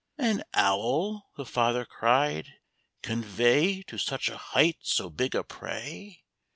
"An owl," the father cried, "convey To such a height so big a prey!